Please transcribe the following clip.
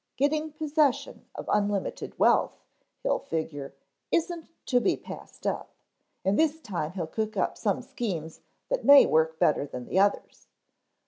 Getting possession of unlimited wealth, he'll figure, isn't to be passed up, and this time he'll cook up some schemes that may work better than the others."